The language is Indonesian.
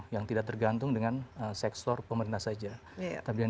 yang tidak tergantung dengan sektor pemerintah saja